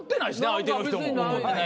相手の人も。